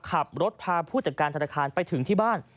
ขับรถพาผู้จัดการธนาคารไปถึงที่บ้าน